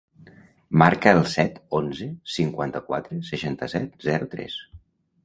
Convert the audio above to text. Marca el set, onze, cinquanta-quatre, seixanta-set, zero, tres.